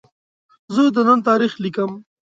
زه د نن تاریخ لیکم.